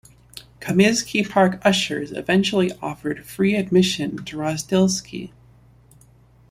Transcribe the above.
Comiskey Park ushers eventually offered free admission to Rozdilsky.